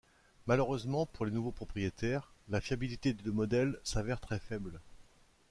Malheureusement pour les nouveaux propriétaires, la fiabilité des deux modèles s'avère très faible.